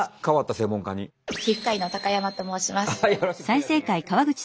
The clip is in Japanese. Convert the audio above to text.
皮膚科医の高山と申します。